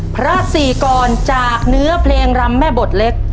พระศรีกรจากเนื้อเพลงรำแม่บทเล็ก